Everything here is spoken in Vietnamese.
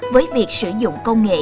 với việc sử dụng công nghệ